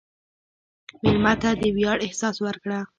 مېلمه ته د ویاړ احساس ورکړه.